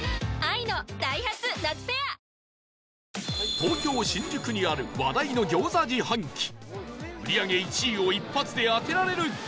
東京新宿にある話題の餃子自販機売り上げ１位を一発で当てられるか？